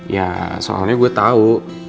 ya soalnya gue tau